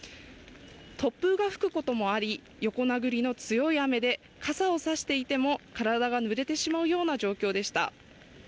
突風が吹くこともあり、横殴りの強い雨で傘を差していても、体がぬれてしまうような状況でした。